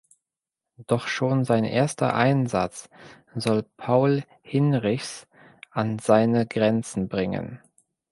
Doch schon sein erster Einsatz soll Paul Hinrichs an seine Grenzen bringen.